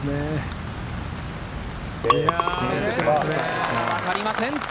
まだ分かりません。